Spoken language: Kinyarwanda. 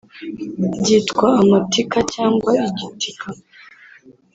byitwa amatika cyangwa igitika